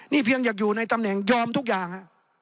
นี่เพียงอยากอยู่ในตำแหน่งยอมทุกอย่างฮะ